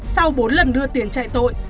sau bốn lần đưa tiền chạy tội